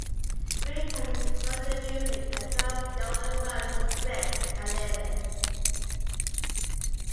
Rick Cummins wrote the music, and John Scoullar wrote the script and lyrics.